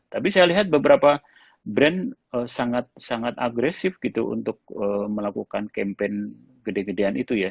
tapi saya lihat beberapa brand sangat sangat agresif gitu untuk melakukan campaign gede gedean itu ya